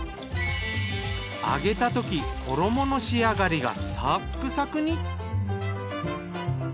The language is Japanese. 揚げたとき衣の仕上がりがサックサクに。